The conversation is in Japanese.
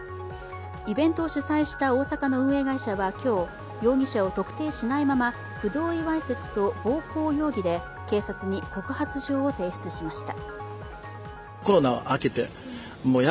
イベントを主催した大阪の運営会社は今日容疑者を特定しないまま、不同意わいせつと暴行容疑で警察に告発状を提出しました。